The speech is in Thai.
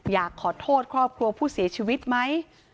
อยากขอโทษครอบครัวผู้เสียชีวิตไหม